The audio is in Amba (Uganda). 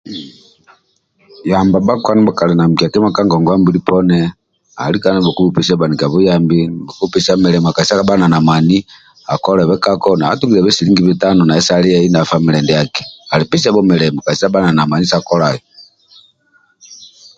Yamba bhakpa ndibha bhakali na mikia kima ka ngogwa bili poni adi lika nikubhupa mikia kima opesia mulimo kasita abha nalinamani akolebhe kako naye atugebe silingi bitano saliyai na famile ndiaki andi pesiabho milimo kabha nali namani sa kolai